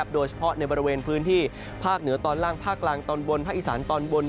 โดยเฉพาะในบริเวณพื้นที่ภาคเหนือตอนล่างภาคกลางตอนบนภาคอีสานตอนบน